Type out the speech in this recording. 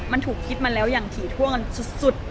มันถูกคิดมาแล้วอย่างถี่ถ้วงกันสุด